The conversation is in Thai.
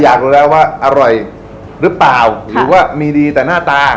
อยากรู้แล้วว่าอร่อยหรือเปล่าหรือว่ามีดีแต่หน้าตา